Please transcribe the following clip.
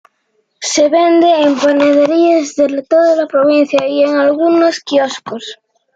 Se venden en panaderías de toda la provincia y en algunos quioscos.